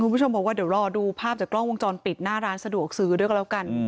คุณผู้ชมบอกว่าเดี๋ยวรอดูภาพจากกล้องวงจรปิดหน้าร้านสะดวกซื้อด้วยกันแล้วกัน